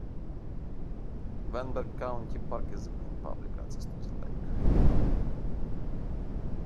Wenberg County Park is the main public access to the lake.